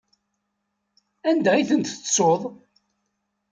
Anda i ten-tettuḍ?